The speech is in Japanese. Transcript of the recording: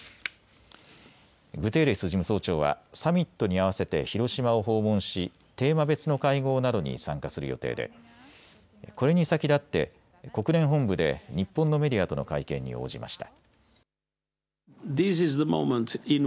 グテーレス事務総長はサミットに合わせて広島を訪問しテーマ別の会合などに参加する予定でこれに先立って国連本部で日本のメディアとの会見に応じました。